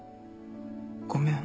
「ごめん。